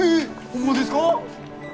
ホンマですか！？